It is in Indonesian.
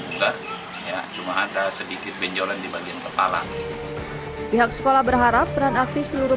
buka ya cuma ada sedikit benjolan dibagian kepala pihak sekolah berharap beran aktif seluruh